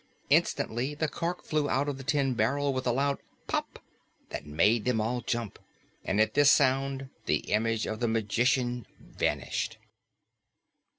Instantly, the cork flew out of the tin barrel with a loud "pop!" that made them all jump. And at this sound, the image of the magician vanished.